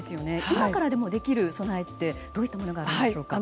今からでもできる備えってどういったものがあるんでしょうか。